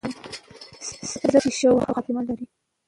ځکه چې شورو او خاتمه لري